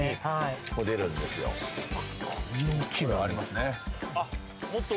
すごいこんなおっきいの。ありますね。